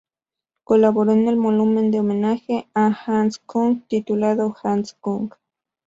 Colaboró en el volumen de homenaje a Hans Küng, titulado Hans Küng.